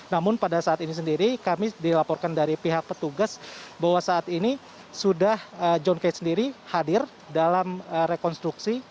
namun pada saat ini sendiri kami dilaporkan dari pihak petugas bahwa saat ini sudah john kate sendiri hadir dalam rekonstruksi